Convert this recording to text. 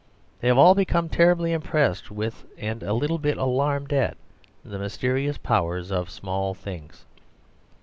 They have all become terribly impressed with and a little bit alarmed at the mysterious powers of small things.